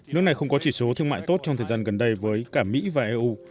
nước này không có chỉ số thương mại tốt trong thời gian gần đây với cả mỹ và eu